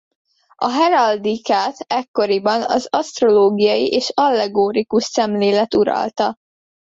A heraldikát ekkoriban az asztrológiai és allegorikus szemlélet uralta.